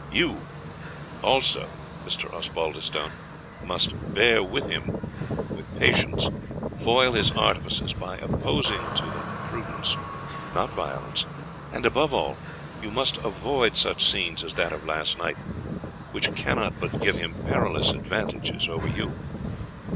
You also, Mr. Osbaldistone, must bear with him with patience, foil his artifices by opposing to them prudence, not violence; and, above all, you must avoid such scenes as that of last night, which cannot but give him perilous advantages over you.